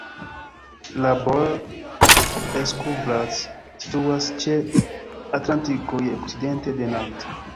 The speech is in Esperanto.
La Baule-Escoublac situas ĉe Atlantiko je okcidente de Nantes.